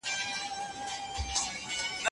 ده عزت او راحت نه درلود